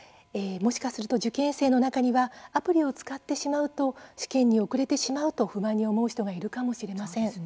もしかすると、受験生の中にはアプリを使ってしまうと試験に遅れてしまうと不安に思う人がいるかもしれません。